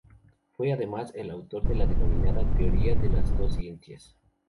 Fue, además, el autor de la denominada "teoría de las dos ciencias".